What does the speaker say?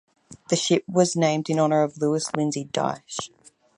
The ship was named in honor of Lewis Lindsay Dyche.